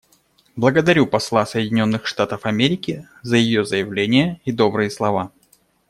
Благодарю посла Соединенных Штатов Америки за ее заявление и добрые слова.